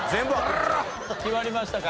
決まりましたか？